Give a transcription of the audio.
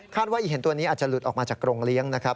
ว่าอีเห็นตัวนี้อาจจะหลุดออกมาจากกรงเลี้ยงนะครับ